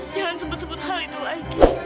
jangan sebut sebut hal itu lagi